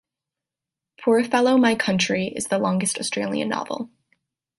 "Poor Fellow My Country" is the longest Australian novel.